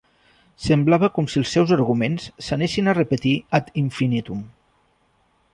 Semblava com si els seus arguments s'anessin a repetir ad infinitum.